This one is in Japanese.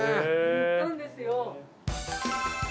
行ったんですよ。